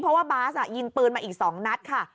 เพราะว่าบาสยิงปืนมาอีก๒นัดค่ะ